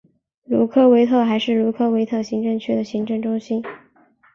卢科维特还是卢科维特行政区的行政中心。